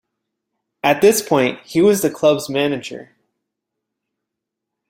At this point, he was the club's manager.